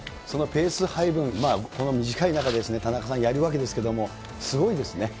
そのペース配分、この短い中で田中さん、やるわけですけれども、すごいですね。